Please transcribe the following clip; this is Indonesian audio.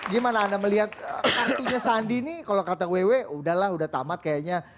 gimana anda melihat kartunya sandi nih kalau kata ww udah lah udah tamat kayaknya